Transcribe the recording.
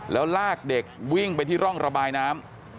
แล้วลากเด็กวิ่งไปที่ร่องระบายน้ำ